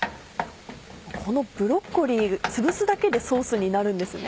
このブロッコリーつぶすだけでソースになるんですね。